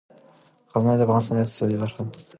غزني د افغانستان د اقتصاد برخه ده.